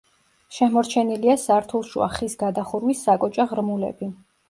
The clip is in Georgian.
შემორჩენილია სართულშუა ხის გადახურვის საკოჭე ღრმულები.